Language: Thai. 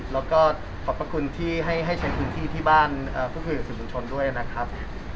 และก็ขอบพระคุณพี่ที่ให้ใช้พื้นที่ที่บ้านภูมิแห่งสุขุนชนด้วยนะครับ